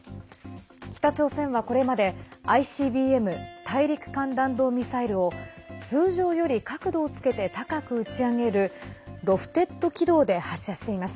北朝鮮は、これまでＩＣＢＭ＝大陸間弾道ミサイルを通常より角度をつけて高く打ち上げるロフテッド軌道で発射しています。